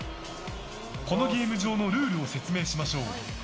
このゲーム場のルールを説明しましょう。